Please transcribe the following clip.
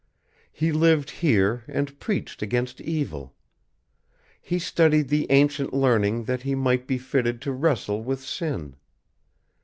He lived here and preached against evil. He studied the ancient learning that he might be fitted to wrestle with sin.